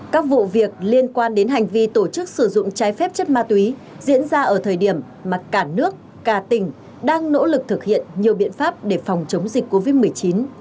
các vụ việc liên quan đến hành vi tổ chức sử dụng trái phép chất ma túy diễn ra ở thời điểm mà cả nước cả tỉnh đang nỗ lực thực hiện nhiều biện pháp để phòng chống dịch covid một mươi chín